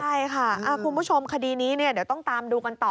ใช่ค่ะคุณผู้ชมคดีนี้เดี๋ยวต้องตามดูกันต่อ